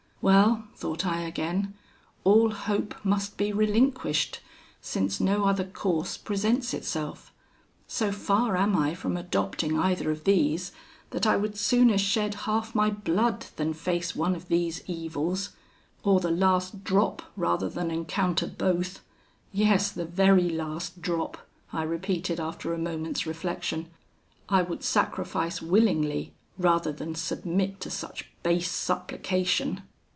Well,' thought I again, 'all hope must be relinquished, since no other course presents itself: so far am I from adopting either of these, that I would sooner shed half my blood than face one of these evils, or the last drop rather than encounter both. Yes, the very last drop,' I repeated after a moment's reflection, 'I would sacrifice willingly rather than submit to such base supplication!